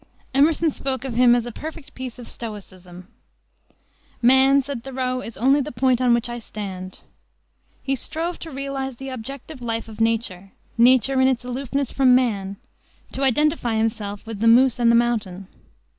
Emerson spoke of him as a "perfect piece of stoicism." "Man," said Thoreau, "is only the point on which I stand." He strove to realize the objective life of nature nature in its aloofness from man; to identify himself, with the moose and the mountain.